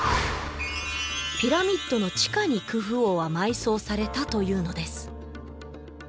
ピラミッドの地下にクフ王は埋葬されたというのです